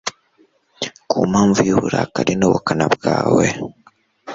ku mpamvu y'uburakari n'ubukana bwawe